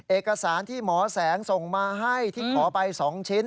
เอกสารที่หมอแสงส่งมาให้ที่ขอไป๒ชิ้น